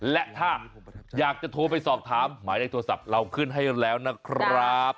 และถ้าอยากจะโทรไปสอบถามหมายเลขโทรศัพท์เราขึ้นให้แล้วนะครับ